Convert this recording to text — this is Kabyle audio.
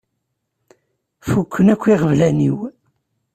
Fukken akk iɣeblan-iw.